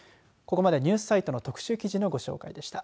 ここまでニュースサイト特集記事のご紹介でした。